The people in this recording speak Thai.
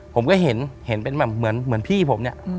ผมก็เห็นเห็นเป็นแบบเหมือนพี่ผมเนี่ย